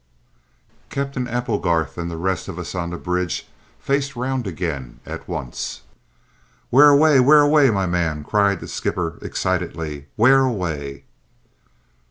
Captain Applegarth and the rest of us on the bridge faced round again at once. "Where away, where away, my man?" cried the skipper excitedly. "Where away?"